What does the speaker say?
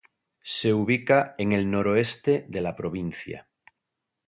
Se ubica en el noroeste de la provincia.